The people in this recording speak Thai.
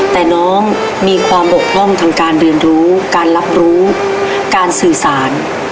แต่น้องมีความบกพร่องทางการเรียนรู้การรับรู้การสื่อสาร